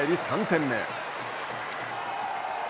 ３点目。